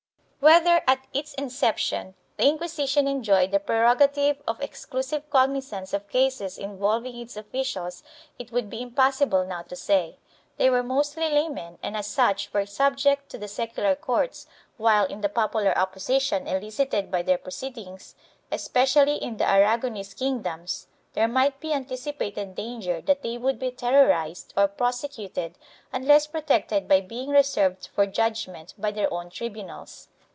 Whether, at its inception, the Inquisition enjoyed the pre rogative of exclusive cognizance of cases involving its officials it would be impossible now to say. They were mostly laymen and as such were subject to the secular courts, while, in the popular opposition elicited by their proceedings, especially in the Aragonese kingdoms, there might be anticipated danger that they would be terrorized or prosecuted unless protected by being reserved for judgement by their own tribunals.